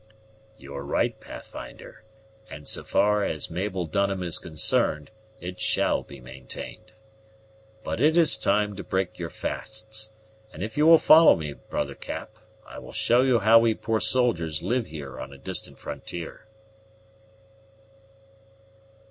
"You are right, Pathfinder; and so far as Mabel Dunham is concerned, it shall be maintained. But it is time to break your fasts; and if you will follow me, brother Cap, I will show you how we poor soldiers live here on a distant frontier."